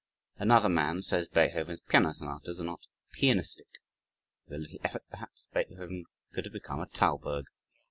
Another man says Beethoven's piano sonatas are not pianistic with a little effort, perhaps, Beethoven could have become a Thalberg.